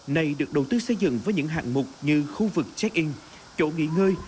này được đầu tư xây dựng với những hạng mục như khu vực check in chỗ nghỉ ngơi